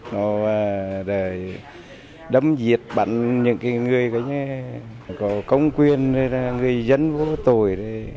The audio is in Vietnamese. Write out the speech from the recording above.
nó đầy đấm diệt bắn những người có công quyền người dân vô tội